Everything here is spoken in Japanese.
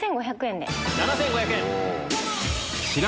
７５００円で。